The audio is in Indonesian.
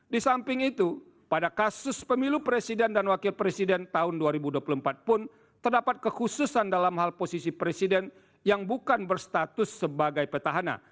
di samping itu pada kasus pemilu presiden dan wakil presiden tahun dua ribu dua puluh empat pun terdapat kekhususan dalam hal posisi presiden yang bukan berstatus sebagai petahana